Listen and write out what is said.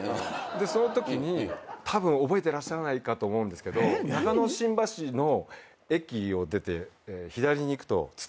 そのときにたぶん覚えてらっしゃらないかと思うんですけど中野新橋の駅を出て左に行くとＴＳＵＴＡＹＡがあったんです当時。